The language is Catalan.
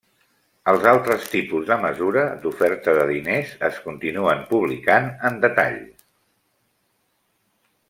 Els altres tipus de mesura d'oferta de diners es continuen publicant en detall.